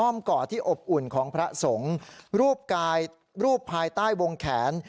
ก่อที่อบอุ่นของพระสงฆ์รูปกายรูปภายใต้วงแขน